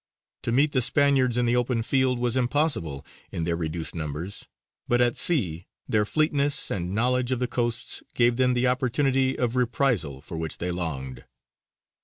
To meet the Spaniards in the open field was impossible in their reduced numbers, but at sea their fleetness and knowledge of the coasts gave them the opportunity of reprisal for which they longed.